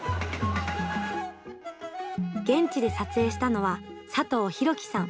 現地で撮影したのは佐藤宏紀さん。